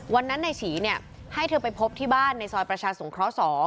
วันนั้นนายฉีให้เธอไปพบที่บ้านในซอยประชาสงเคราะห์๒